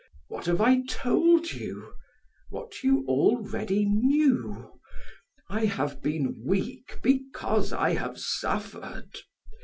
What have I told you? What you already knew. I have been weak because I have suffered.